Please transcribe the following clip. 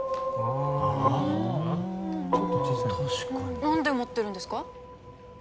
なんで持ってるんですか？